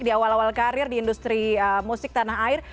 di awal awal karir di industri musik tanah air